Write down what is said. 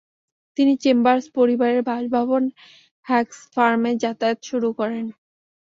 তিনি চেম্বার্স পরিবারের বাসভবন হ্যাগস ফার্মে যাতায়াত শুরু করেন।